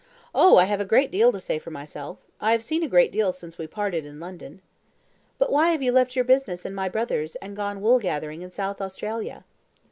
Oh! I have a great deal to say for myself. I have seen a great deal since we parted in London." "But why have you left your own business and my brother's, and gone wool gathering in South Australia?"